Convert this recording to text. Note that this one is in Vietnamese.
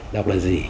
đọc là gì